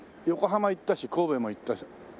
横浜行ったし神戸も行ったし。